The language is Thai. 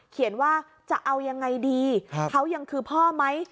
เขียนว่าจะเอายังไงดีเขายังคือพ่อไหม